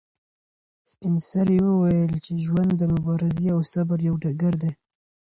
سپین سرې وویل چې ژوند د مبارزې او صبر یو ډګر دی.